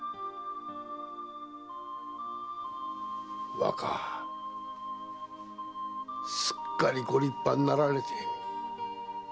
若すっかりご立派になられて。